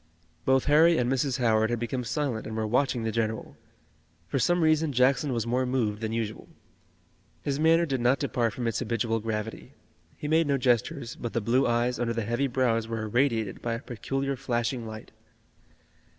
Both Harry and Mrs. Howard had become silent and were watching the general. For some reason Jackson was more moved than usual. His manner did not depart from its habitual gravity. He made no gestures, but the blue eyes under the heavy brows were irradiated by a peculiar flashing light.